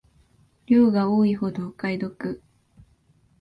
量が多いほどお買い得